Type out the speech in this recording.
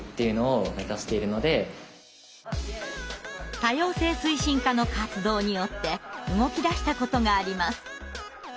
多様性推進課の活動によって動きだしたことがあります。